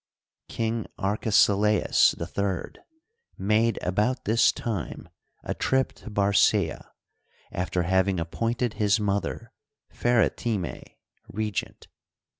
King Arkesilaus HI made about this time a trip to Barcaea, after having appointed his mother, Phe retime, regent.